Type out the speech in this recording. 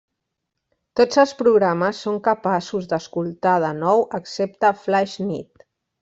Tots els programes són capaços d'escoltar de nou excepte Flaix Nit.